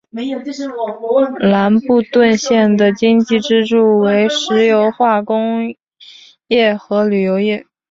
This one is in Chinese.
兰布顿县的经济支柱为石油化工业和旅游业。